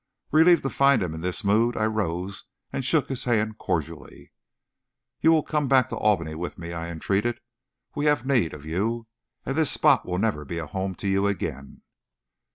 Relieved to find him in this mood, I rose and shook his hand cordially. "You will come back to Albany with me?" I entreated. "We have need of you, and this spot will never be a home to you again."